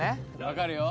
分かるよ